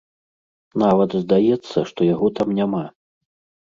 Нават здаецца, што яго там няма.